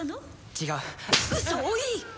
違う嘘をお言い！